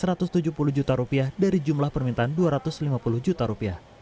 bupati kudus menetapkan rp dua ratus tujuh puluh dari jumlah permintaan rp dua ratus lima puluh